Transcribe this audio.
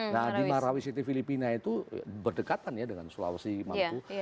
nah di marawi city filipina itu berdekatan ya dengan sulawesi maluku